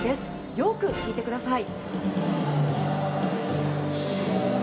よく聴いてください。